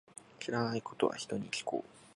知らないことは、人に聞こう。